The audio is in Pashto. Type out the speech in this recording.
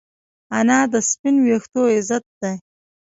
انا د سپین ویښتو عزت ده